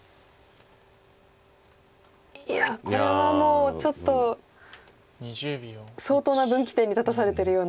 いやこれはもうちょっと相当な分岐点に立たされてるような。